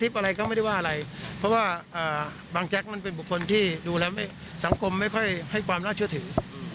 บางแจ๊คมันเป็นบุคคลที่ดูแลสังคมไม่ค่อยให้ความน่าเชื่อถือ